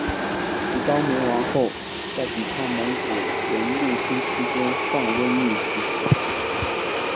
其高棉王后在抵抗蒙古人入侵期间患瘟疫逝世。